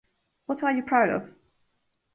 What are you proud of?